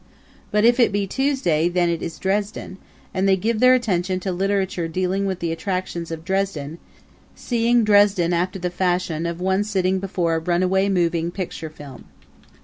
But if it be Tuesday, then it is Dresden, and they give their attention to literature dealing with the attractions of Dresden; seeing Dresden after the fashion of one sitting before a runaway moving picture film.